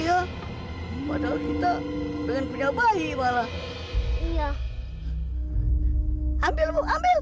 ya padahal kita dengan punya bayi malah iya ambil mau ambil